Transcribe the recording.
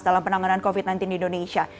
dalam penanganan covid sembilan belas di indonesia